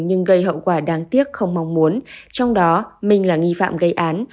nhưng gây hậu quả đáng tiếc không mong muốn trong đó minh là nghi phạm gây án